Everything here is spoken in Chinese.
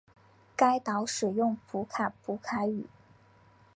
该岛使用普卡普卡语。